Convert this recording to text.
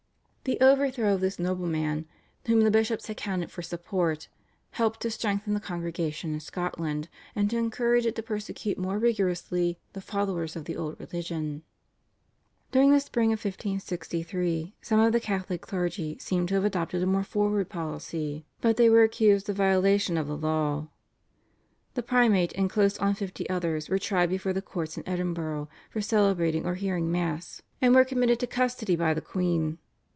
The overthrow of this nobleman, on whom the bishops had counted for support, helped to strengthen the Congregation in Scotland, and to encourage it to persecute more rigorously the followers of the old religion. During the spring of 1563 some of the Catholic clergy seem to have adopted a more forward policy, but they were accused of violation of the law. The primate and close on fifty others were tried before the courts in Edinburgh for celebrating or hearing Mass, and were committed to custody by the queen.